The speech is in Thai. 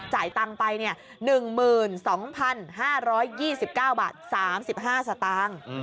จ่ายตังค์ไปเนี่ย๑๒๕๒๙บาท๓๕ซาตางค์